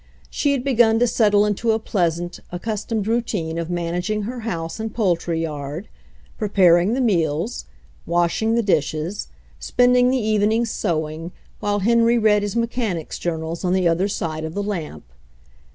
She had begun to settle into a pleasant, accus tomed routine of managing her house and poultry yard, preparing the meals, washing the dishes, spending the evenings sewing, while Henry read his mechanics' journals on the other side of the lamp.